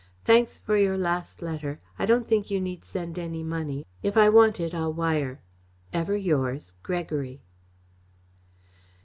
Thanks for your last letter. I don't think you need send any money. If I want it I'll wire. Ever yours, GREGORY.